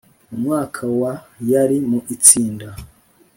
Mu mwaka wa yari mu itsinda